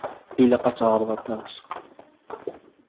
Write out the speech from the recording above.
Yessefk ad tlemdeḍ aṭas.